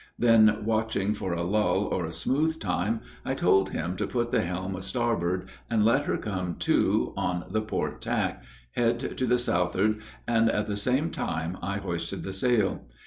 Then watching for a lull or a smooth time, I told him to put the helm a starboard and let her come to on the port tack, head to the southward, and at the same time I hoisted the sail.